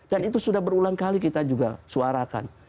dan itu sudah berulang kali kita juga suarakan